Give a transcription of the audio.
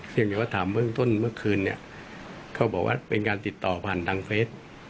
อย่างแต่ว่าถามเบื้องต้นเมื่อคืนเนี่ยเขาบอกว่าเป็นการติดต่อผ่านทางเฟส